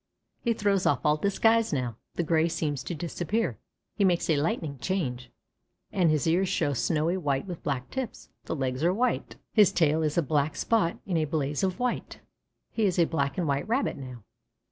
He throws off all disguise now, the gray seems to disappear; he makes a lightning change, and his ears show snowy white with black tips, the legs are white, his tail is a black spot in a blaze of white. He is a black and white Rabbit now.